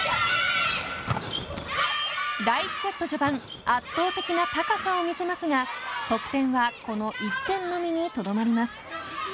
第１セット序盤圧倒的な高さを見せますが得点はこの１点のみにとどまります。